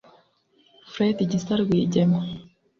Fred Gisa Rwigema